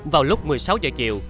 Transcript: vào lúc một mươi sáu h chiều